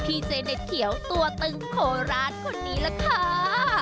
พี่เจมส์เหน็ดเขียวตัวตึงโขลาดคนนี้ล่ะค่า